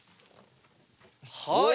はい。